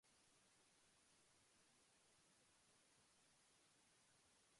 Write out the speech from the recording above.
Está elevada sobre un pedestal que constituye su base.